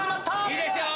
・いいですよ。